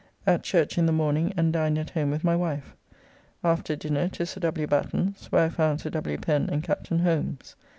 At church in the morning, and dined at home with my wife. After dinner to Sir W. Batten's, where I found Sir W. Pen and Captain Holmes.